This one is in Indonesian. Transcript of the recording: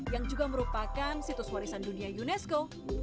yang juga merupakan situs warisan dunia unesco